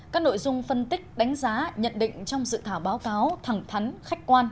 các nội dung phân tích đánh giá nhận định trong dự thảo báo cáo thẳng thắn khách quan